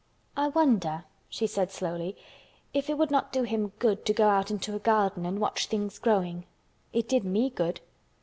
"I wonder," she said slowly, "if it would not do him good to go out into a garden and watch things growing. It did me good."